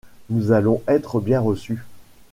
Nous allons être bien reçus !